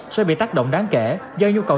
sẽ bị tác động đáng kể do nhu cầu